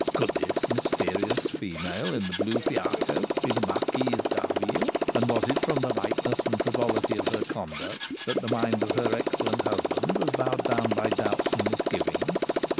Could this mysterious female in the blue fiacre be the Marquise d'Harville? And was it from the lightness and frivolity of her conduct that the mind of her excellent husband was bowed down by doubts and misgivings?